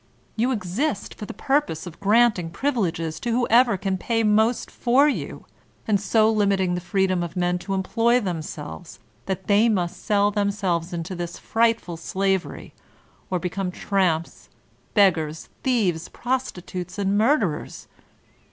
You exist for the purpose of granting privileges to whoever can pay most for you, and so limiting the freedom of men to employ them selves that they must sell themselves into this fright ful slavery or become tramps, beggars, thieves, pros titutes, and murderers.